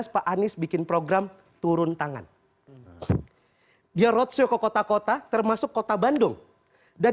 dua ribu tiga belas pak anies bikin program turun tangan dia roadshow ke kota kota termasuk kota bandung dan